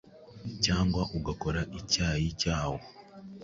cyangwa ugakora icyayi cyawo